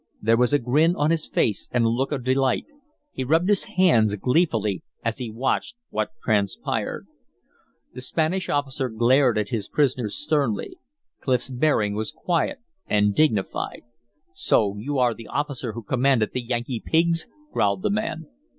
There was a grin on his face and a look of delight; he rubbed his hands gleefully as he watched what transpired. The Spanish officer glared at his prisoners sternly. Clif's bearing was quiet and dignified. "So you are the officer who commanded the Yankee pigs?" growled the man.